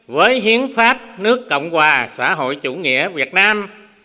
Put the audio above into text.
với hiến pháp nước cộng hòa xã hội chủ nghĩa việt nam